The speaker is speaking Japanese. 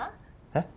えっ？